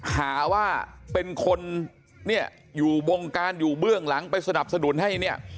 หาว่าเป็นคนเนี่ยอยู่วงการอยู่เบื้องหลังไปสนับสนุนให้เนี่ย